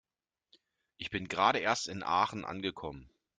Ich bin gerade erst in Aachen angekommen